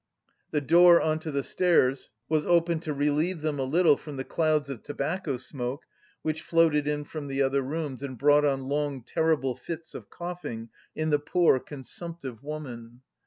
The door on to the stairs was open to relieve them a little from the clouds of tobacco smoke which floated in from the other rooms and brought on long terrible fits of coughing in the poor, consumptive woman.